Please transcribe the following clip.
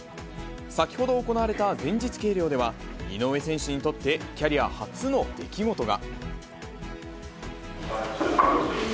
先ほど行われた前日計量では、井上選手にとってキャリア初の出来事が。